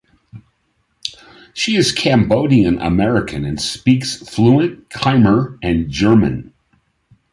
She is Cambodian-American and speaks fluent Khmer and German.